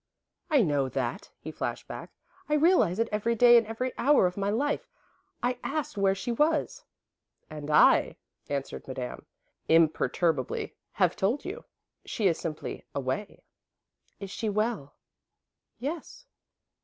"I know that," he flashed back. "I realise it every day and every hour of my life. I asked where she was." "And I," answered Madame, imperturbably, "have told you. She is simply 'away.'" "Is she well?" "Yes."